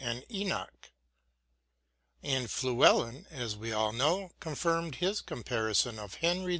and Enoch ; and Fluellen, as we all know, confirmed his compari son of Henry V.